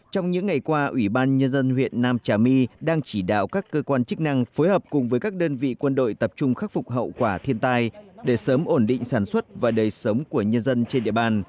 trong những ngày qua ủy ban nhân dân huyện nam trà my đang chỉ đạo các cơ quan chức năng phối hợp cùng với các đơn vị quân đội tập trung khắc phục hậu quả thiên tai để sớm ổn định sản xuất và đời sống của nhân dân trên địa bàn